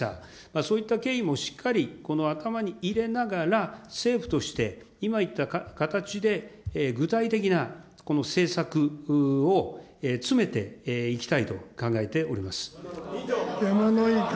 そういった経緯もしっかりこの頭に入れながら、政府として今言った形で、具体的な政策を詰めていきたいと考えております。